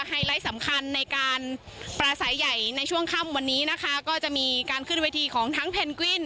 ไลท์สำคัญในการปราศัยใหญ่ในช่วงค่ำวันนี้นะคะก็จะมีการขึ้นเวทีของทั้งเพนกวิน